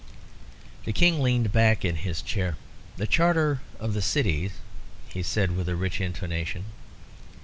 The King leaned back in his chair. "The Charter of the Cities ...," he said with a rich intonation.